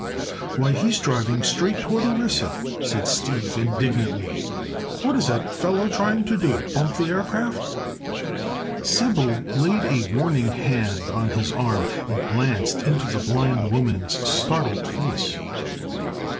"Why, he's driving straight toward Orissa," said Steve, indignantly. "What is the fellow trying to do—bump the aircraft?" Sybil laid a warning hand on his arm and glanced into the blind woman's startled face.